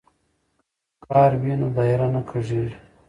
که پرکار وي نو دایره نه کږیږي.